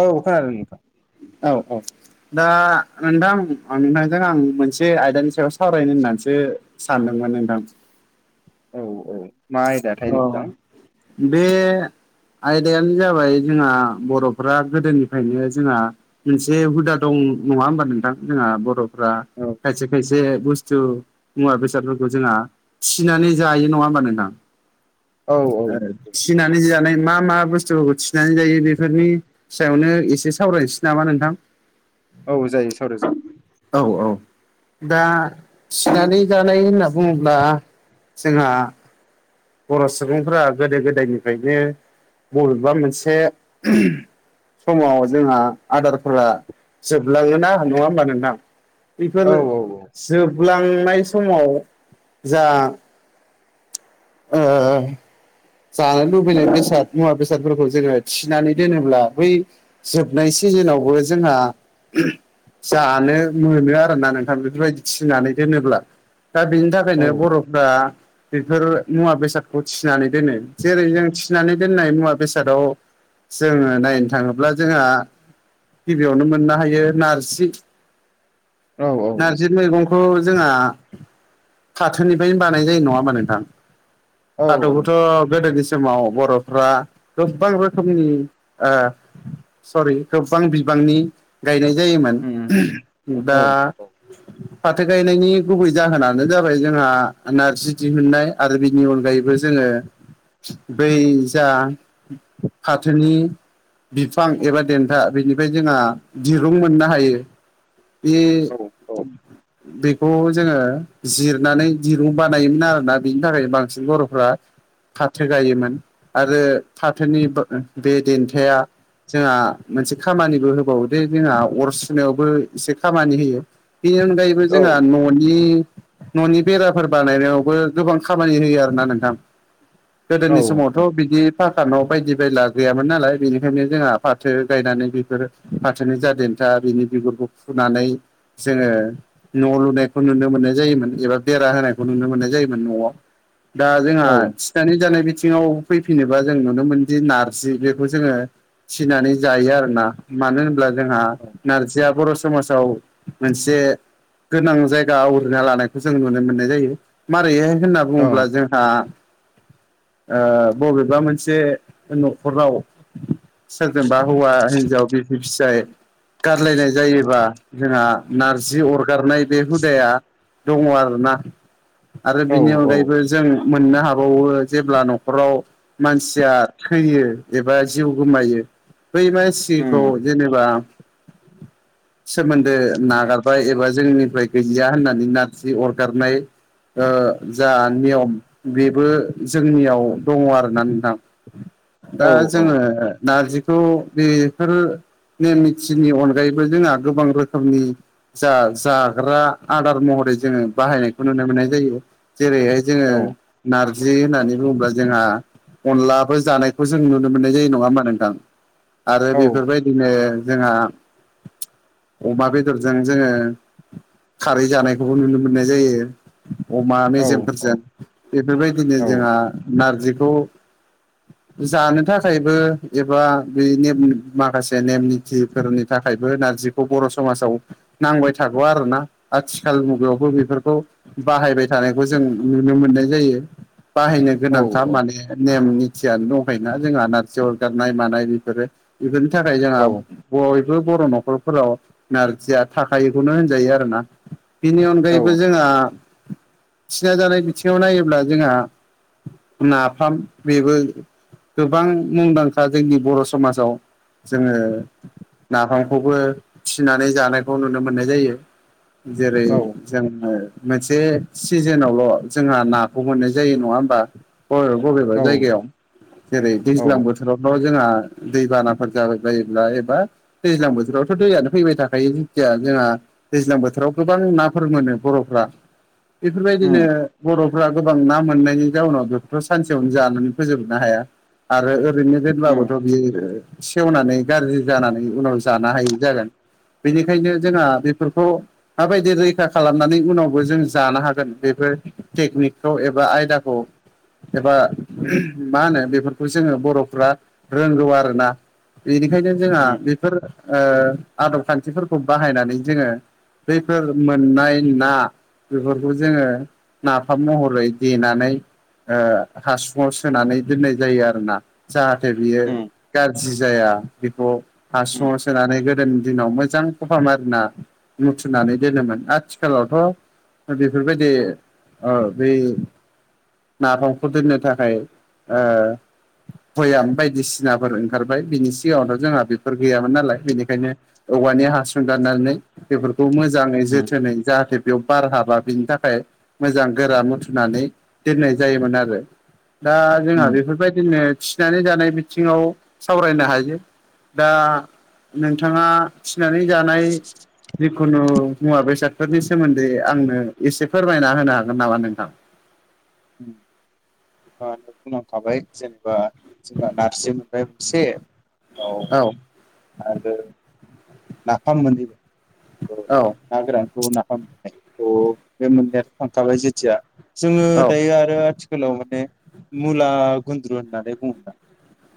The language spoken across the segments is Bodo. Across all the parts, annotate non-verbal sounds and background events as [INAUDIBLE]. औ खोनादों नोंथां औ औ दा नोंथां नोंथांजों आं मोनसे आयदानि सायाव सावरायनो होननानैसो सानदोंमोन नोंथां औ औ मा आयदाथाय अ नोंथां बे आयदायानो जाबाय जोंहा बर'फ्रा गोदोनिफ्रायनो जोंहा मोनसे हुदा दं नङा होमबा नोंथां जोंहा बर'फ्रा औ खायसे खायसे बुस्थु मुवा बेसादफोरखौ जोंहा थिनानै जायो नङा होमबा नोंथां औ थिनानै जानाय मा मा बुस्थुफोरखौ थिनानै जायो बेफोरनि नि सायावनो एसे सावरायनोसै नामा नोंथां औ जायो सावरायो जागोन औ औ दा थिनानै जानाय होनना बुङोब्ला जोंहा बर' सुबुंफोरा गोदो गोदायनिफ्रायनो बबेबा मोनसे समाव जोंहा आदारफोरा जोबलाङोना नङा होमबा नोंथां औ बेफोर जोबलांनाय समाव जा ओ जानो लुबैनाय बेसाद मुवा बेसादफोरखौ जोङो थिनानै दोनोब्ला बै जोबनाय सिजोनावबो जोंहा जानो मोनो आरोना नोंथां बेफोरबायदि थिनानै दोनोब्ला दा बेनि औ थाखायनो बर'फ्रा बेफोर मुवा बेसादखौ थिनानै दोनो जेरै जों थिनानै दोननाय मुवा बेसादाव जोङो नायनो थाङोब्ला जोंहा गिबियावनो मोननो हायो नारजि औ नारजि मैगं बेखौ जोंहा फाथोनिफ्रायनो बानाय जायो नङा होमबा नोंथां औ औ दाथ'खौथ' गोदोनि समाव बर'फ्रा गोसेबां रोखोमनि ओ सरि गोबां बिबांनि गायनाय जायोमोन उम औ दा औ फाथो गायनायनि गुबै जाहोनानो जाबाय जोंहा नारजि दिहुननाय आरो बिनि अनगायैबो जोङो बै जा फाथोनि बिफां एबा देन्था बेनिफ्राय जोंहा दिरुं मोननो हायो बे औ औ बेखौ जोङो जिरनानै दिरुं बानायोमोन आरोना बिनि थाखायनो बांसिन बर'फ्रा फाथो गायोमोन आरो फाथोनि बे देन्थाया जोंहा मोनसे खामानिबो होबावो दे जोंहा अर सुनायावबो एसे खामानि होयो बेनि अनगायैबो जोंहा न'नि न'नि बेराफोर बानायनायावबो गोबां खामानि होयो आरोना नोंथां औ गोदोनि समावथ' बिदि साखा न' बायदि बायला गैयामोन नालाय बेनिखायनो जोंहा फाथो गायनानै बेफोर फाथोनो जा देनथा बिनि बिगुरखौ फुनानै जोङो न' लुनायखौ नुनो मोननाय जायोमोन एबा बेरा होनायखौ नुनो मोननाय जायोमोन मोन न'आव दा जोंहा दानि जानाय बिथिङाव फैफिनोबा जों नुनो मोनदि नारजि बेखौ जोङो थिनानै जायो आरोना मानो होनब्ला जोंहा नारजिया बर' समाजाव मोनसे गोनां जायगा आवग्रिना लानायखौ जों नुनो मोननाय जायो मारैहाइ होनना औ उम औ बुङोब्ला जोंहा बबेबा मोनसे न'खराव सोरजोंबा हौवा हिनजाव बिसि फिसाय गारलायनाय जायोबा जोंहा नारजि अरगारनाय बे हुदाया दङ आरोना आरो औ बिनि अनगायैबो जों मोननो हाबावो जेब्ला न'खराव मानसिया थैयो एबा जिउ गोमायो बै मानसिखौ जेनेबा सोमोन्दो नागारबाय एबा जोंनिफ्राय गैया होननानै नारजि अरगारनाय ओ जा नियम बेबो जोंनियाव दङ आरोना नोंथां दा जोङो नारजिखौ बेफोर ने मिथिनि अनगायैबो जोंहा गोबां रोखोमनि जा जाग्रा आदार महरै जोङो बाहायनायखौ नुनो मोननाय जायो जेरैहाय जोङो नारजि होननानै बुङोब्ला जोंहा अनलाबो जानायखौ जों नुनो मोननाय जायो नङा होमबा नोंथां आरो बेफोरबायदिनो जोंहा अमा बेदरजों जोङो खारै जानायखौबो नुनो मोननाय जायो अमा मेजेमफोरजों बेफोरबायदिनो जोंहा नारजिखौ [INAUDIBLE] जानो थाखायबो एबा बे ने माखासे नेम निथिफोरनि थाखायबो नारजि बर' समाजाव नांबाय थागौ आरोना आथिखाल मुगायावबो बेफोरखौ बाहायबाय थानायखौ जों नुनो मोननाय जायो बाहायनो औ गोनांखा माने नेमनि थियानो दंखायोना जोंहा नारजि अरगारनाय मानाय बेफोरो बेफोरनि थाखाय जोंहा बयबो बर' न'खरफोराव नारजिया थाखायोखौनो होनजायो आरो ना बिनि औ अनगायैबो जोंहा थिना जानाय बिथिङाव नायोब्ला जोंहा नाफाम बेबो गोबां मुंदांखा जोंनि बर' समाजाव जोङो नाफामखौबो थिनानै जानायखौ नुनो मोननाय जायो जेरै औ जोङो मोनसे सिजोनावल' जोंहा नाखौ मोननाय जायो नङा होमबा बबे बबेबा जायगायाव जेरै दैज्लां बोथोर जावल' जोंहा दैबानाफोर जाबाय बायोब्ला एबा दैज्लां बोथोरावथ' दैयानो फैबाय थाखायो जेथिया जोंहा दैज्लां बोथोराव गोबां नाफोर मोनो बर'फ्रा बेफोरबायदिनो उम बर' ग्रा गोबां ना मोननायनि जाउनाव बेखौथ' सानसेयावनो जानानै फोजोबनो हाया आरो ओरैनो उम देब्लाबोथ' बियो सेवनानै गाज्रि जानानै उनाव जानो हायै जागोन बेनिखायनो जोंहा बेफोरखौ माबायदि रैखा खालामनानै उनाव बो जों जानो हागोन बेफोर टेकनिकखौ एबा आयदाखौ एबा मा होनो बेफोरखौ जोङो बर'फ्रा रोंगौ आरोना बेनिखायनो जोंहा उम बेफोर आदब खान्थिफोरखौ बाहायनानै जोङो बैफोर मोननाय ना बेफोरखौ जोङो नाफाम महरै देनानै हासुङाव सोनानै दोननाय जायो आरो ना जाहाथे जाहाथे बियो गाज्रि जाया बेखौ हासुङाव सोनानै गोदोनि दिनाव मोजां खफा मारिना आरोना मुथुमनानै दोनोमोन आथिखालावथ' बेफोरबायदि बै नाफामखौ दोननो थाखाय भयाम बायदिसिनाफोर ओंखारबाय बिनि सिगाङावथ' जोंहा बेफोर गैयामोन नालाय बेनिखायनो औवानि हासुं गाननानै बेफोरखौ मोजाङै उम जोथोनै जाहाथे बेयाव बार हाबा बिनि थाखाय मोजां गोरा मुथुनानै दोननाय जायोमोन आरो दा जोंहा उम बेफोरबायदिनो फिनानै जानाय बिथिङाव सावरायनो हायो दा नोंथाङा थिनानै जानाय जिखुनु मुवा बेसादफोरनि सोमोन्दै आंनो एसे फोरमायना होनो हागोन नामा नोंथां [UNINTELLIGIBLE] जेनेबा जोंना नारजिमोन मोनसे औ औ आरो नाफाम मोनो औ ना गोरानखौ नाफाम नायखौ बे मोननैयाथ' थांखाबाय जेथिया जोङो औ दायो आरो आथिखालाव माने मुला गुन्द्रु होननानै बुङोना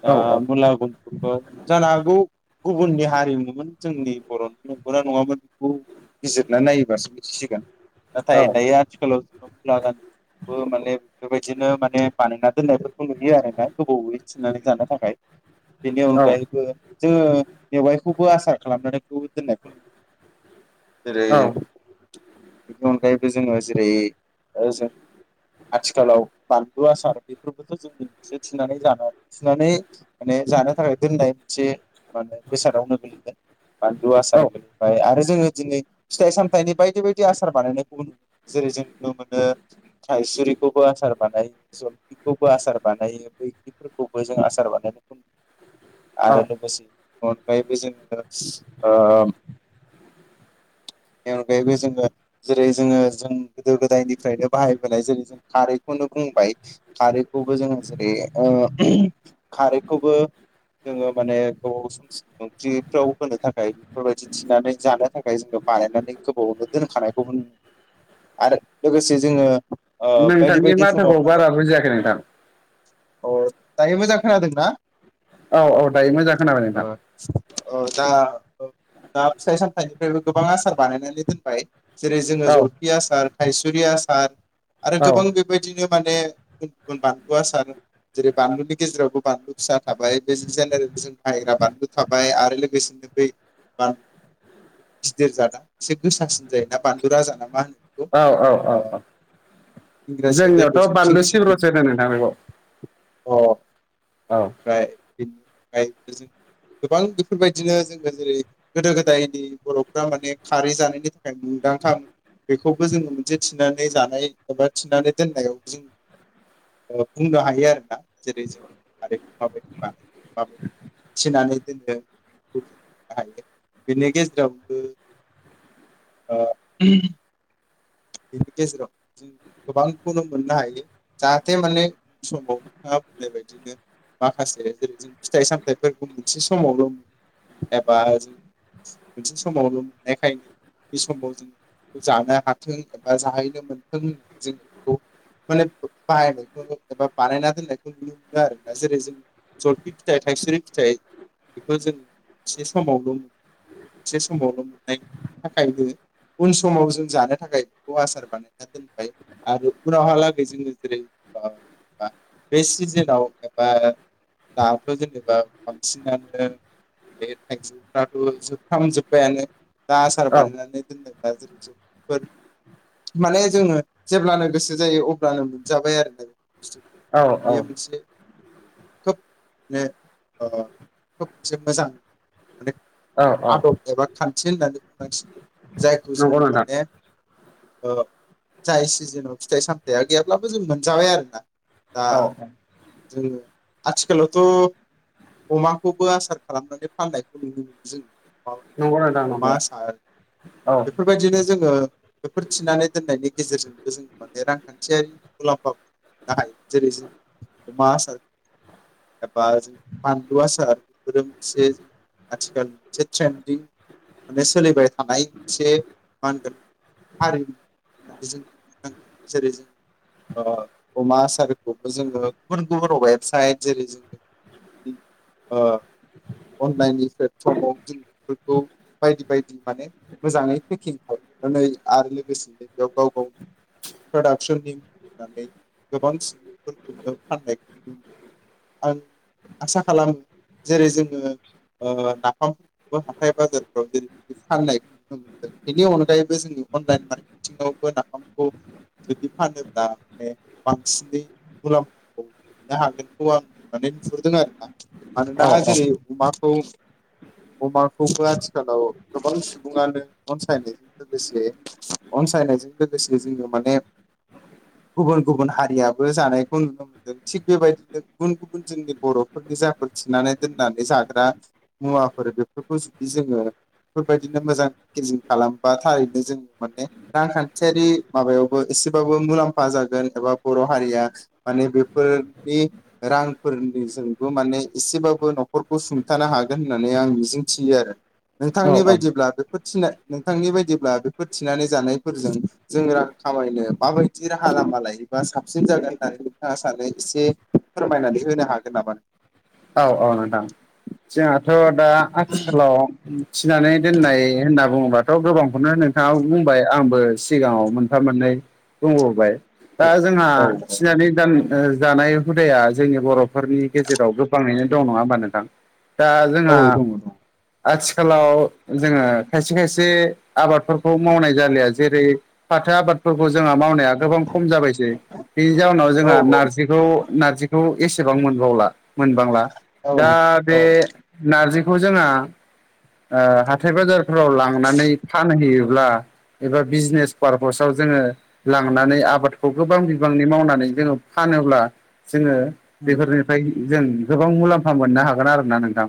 औ मुला गुन्दुफोरखौ जानो हागौ गुबुननि हारिमुनिमोन जोंनि बर'नि न'गौना नङामोन बेखौ बिजिरना नायोबासो मिथिसिगोन नाथाय दायो आथिखालाव मुला माने बेबायदिनो माने बानायना दोननायफोरखौ नुयो आरोना गोबायै थिननानै जानो थाखाय बेनि औ अनगायैबो जोङो मेवाइखौबो आसार खालामनानै दोननायखौ नुयो जेरै औ बिनि अनगायैबो जोङो जेरै जों आथिखालाव बानलु आसार बेफोरबोथ' जोंनि मोनसे थिनानै जानाय थिनानै माने जानो थाखाय दोननाय मोनसे माने बेसादावनो गोलैगोन बानलु आसार औ बेनिफ्राय आरो जोङो दिनै फिथाइ सामथाइनि बायदि बायदि आसार बानायनायखौ नुनो मोनो जेरै जों नुनो मोनो थाइसुरिखौबो आसार बानायो जलफिखौबो आसार बानायो बै फोरखौबो जों आसार बानायनायखौ औ आरो लोगोसे अनगायैबो जोङो बेनि अनगायैबो जोङो जेरै जोङो जों गोदो गोदायनिफ्रायनो बाहायबोनाय जेरै जों खारैखौनो बुंबाय खारैखौबो जोङो जेरै खारैखौबो जोङो माने गोबाव सम ओंख्रिफ्राव होनो थाखाय बेफोरबायदि थिनानै जानो थाखाय जोङो बानायनानै गोबावनो दोनखानायखौबो आरो लोगोसे जोङो बायदि नोंथांनि बायदि माथोखौ समाव बारा माने बुजियाखै नोंथां अ दायो मोजां खोनादोंना औ औ दायो मोजां खोनाबाय नोंथां औ दा दा फिथाइ सामथाइनिफ्रायबो गोबां आसार बानायनानै दोनबाय जेरै जोङो औ जलफि आसार थायसुरि आसार आरो औ गोबां बे बेबायदिनो माने गुब गुबुन बानलु आसार जेरै बानलुनि गेजेरावबो बानलु फिसा थाबाय बे जेनेरेल जों बाहायग्रा बानलु थाबाय आरो लोगोसेनो बा गिदिर जादा एसे गोसासिन जायना बानलु राजा ना मा होनो औ औ बेखौ औ इंराजियाव जायखौ जोंनियावथ' जों किं बानलु सिलि सिब्र'सो होनो नोंथां बेखौ अ औ [UNINTELLIGIBLE] गोबां बेफोरबायदिनो जोङो जेरै गोदो गोदायनि बर'फ्रा माने खारै जानायनि थाखाय मुंदांखा बेखौबो जोङो मोनसे थिनानै जानाय एबा थिनानै दोननायाव जों बुंनो हायो आरोना जेरै जों [UNINTELLIGIBLE] थिनानै दोनदों हायो बेनि गेजेरावबो ओ बेनि गेजेरावनो जों गोबांखौनो मोननो हायो जाहाथे माने समाव नोंथाङा बुंनाय बायदिनो माखासे जेरै जों फिथाइ सामथायाइफोरखौ मोनसे समावल मोनो एबा जों मोनसे समावल मोननायखायनो बे समाव जों बे जानो [UNINTELLIGIBLE] मोनथों एबा जाहैनो मोनथों जों बेखौ माने बाहायनायखौ एबा बानायना दोननायखौ नुनो मोनो आरोना जेरै जों जलफि फिथाइ थाइसुरि फिथाइ बेखौ जों मोनसे समावल मोनो मोनसे समावल मोननाय थाखायबो उन समाव जों जानो थाखाय बेखौ आसार बानायना दोनबाय आरो उनावहालागै जोङो जेरै बे सिजेनाव एबा दाथ जेनेबा बांसिनानो बे थाइजौफ्राथ जोबफ्राम जोब्बायानो दा आसार औ बानायनानै दोनदोंबा [UNINTELLIGIBLE] माने जोङो जेब्लानो गोसो जायो अब्लानो मोनजाबाय आरोना औ औ बुस्थुखौ बेयो मोनसे खोब माने खोब मोनसे मोजां माने औ औ आदब एबा खान्थि होननानै बुंनांसिगोन जायखौ नंगौ जोङो नोंथां माने जाय सिजेनाव फिथाइ सामथायाइया गैयाब्लाबो जों मोनजाबाय आरोना दा औ आजखालथ अमाखौबो आसार खालामनानै फाननायखौ नुनो मोनो नंगौ नोंथां जोङो अमा नंगौ आसार औ बेफोरबायदिनो जोङो बेफोर थिनानै दोननायनि गेजेरजोंबो जों माने रांखान्थियारि मुलाम्फा [UNINTELLIGIBLE] जेरै जों अमा आसार एबा जों बानलु आसार बेफोरो मोनसे आथिखाल मोनसे ट्रेन्दिं माने सोलिबाय थानाय मोनसे मा होनगोन हारिमु होननानै जों बुंनांगोन जेरै जों अमा आसारखौबो जोङो गुबुन गुबुनाव वेबसाइट जेरै जोङो ओ अनलाइननि प्लेटफर्माआव जों बेफोरखौ बायदि बायदि माने मोजाङै पेकिं खालामै आरो लोगोसेनो बेयाव गाव गावनि प्रडाक्सननि मुं होनानै गोबां सुबुंफोरखौनो फाननायखौ आं आसा खालामो जेरै जोङो ओ नाफामफोरखौबो हाथाय बाजारफ्राव जेरै फाननायखौ नुनो मोनदों बेनि अनगायैबो जों अनलाइन मारकेटिंवबो नाफामखौ जुदि फानोब्ला माने बांसिनै मुलाम्फाखौ मोननो हागोनखौ आं माने नुहुरदों आरोना मानोना औ जेरै अमाखौ अमाखौबो आथिखालाव गोबां सुबुङानो अनसायनायजों लोगोसे अनसायनायजों लोगोसे जोङो माने गुबुन गुबुन हारियाबो जानायखौ नुनो मोन दों थिग बेबायदिनो गुबुन गुबुन जोंनि बर'फोरनि जाफोर थिनानै दोननानै जाग्रा मुवाफोर बेफोरखौ जुदि जोङो बेफोरबायदिनो मोजां पेकेजिं खालाम बा थारैनो जों माने रांखान्थियारि माबायावबो एसेबाबो मुलाम्फा जागोन एबा बर' हारिया माने बेफोरनि रांफोरनिजोंबो माने एसेबाबो न'खरखौ सुंथानो हागोन होननानै आं मिजिं थियो आरो नोंथांनि औ औ बायदिब्ला बेखौ थिनाय बिथांनि बायदिब्ला बेफोर थिनानै जानायफोरजों जों रां खामायनो माबायदि राहा लामा लायो। बा साबसिन जागोन होननानै नोंथाङा सानो एसे फोरमायनानै होनो हागोन नामा? औ औ नोंथां जोंहाथ' दा आथिखालाव फिनानै दोननाय होनना बुङोबाथ' गोबांखौनो नोंथाङा बुंबाय आंबो सिगाङाव थानानै बुंबोबाय। दा जोंहा औ फिनानै दान जानाय हुदाया जोंनि बर'फोरनि गेजेराव गो दं नङा होमबा नोंथां दा औ जोंहा दङ दङ आथिखालाव जोङो खायसे खायसे आबादफोरखौ मावनाय जालिया जेरै फाथो आबादफोरखौ जोंहा मावनाया गोबां खम जाबायसै बेनि जाउनाव औ जोंहा औ नारजिखौ नारजिखौ एसेबां मोनबावला मोनबांला औ दा बे औ नारजिखौ जोंहा ओ हाथाय बाजारफोराव लांनानै फानहैयो। ब्ला एबा बिजनेस पारपसाव जोङो लांनानै आबादखौ गोबां बिबांनि मावनानै जोङो फानोब्ला जोङो उम बेफोरनिफ्राय जों गोबां मुलाम्फा मोननो हागोन आरोना नोंथां।